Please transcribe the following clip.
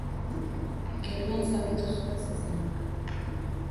Gerrian zauritu zuen zezenak.